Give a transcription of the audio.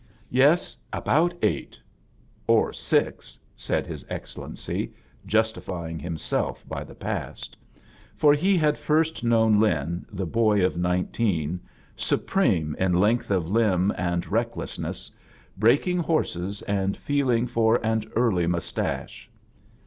"Yes, about eight Or six," said His Excellency, justifying himself by the past. For he had fust known Lin, the boy of nineteen, supreme in ^gth of limb and recklessness, break ing hctfses and feeling for an early mus tache.